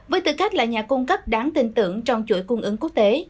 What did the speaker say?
với tư cách là nhà cung cấp đáng tin tưởng trong chuỗi cung ứng quốc tế